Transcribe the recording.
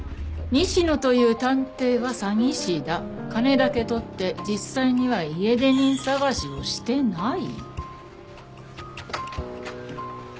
「西野という探偵は詐欺師だ」「金だけ取って実際には家出人探しをしてない」？